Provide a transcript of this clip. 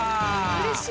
うれしい。